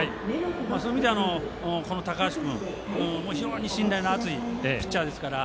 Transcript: そういう意味で高橋君、信頼の厚いピッチャーですから。